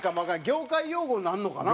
業界用語になるのかな？